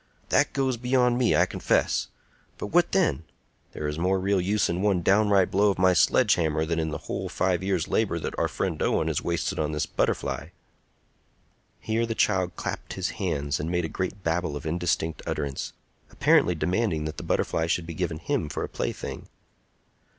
"That goes beyond me, I confess. But what then? There is more real use in one downright blow of my sledge hammer than in the whole five years' labor that our friend Owen has wasted on this butterfly." Here the child clapped his hands and made a great babble of indistinct utterance, apparently demanding that the butterfly should be given him for a plaything.